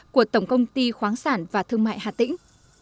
của tổng công ty khoáng sản và thương mại hà tĩnh